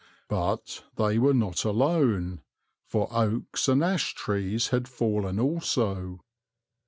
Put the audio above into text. But they were not alone, for oaks and ash trees had fallen also.